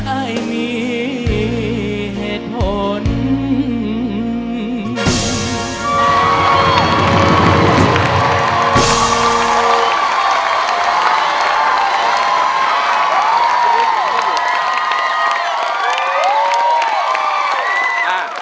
อ้ายมีเหตุผล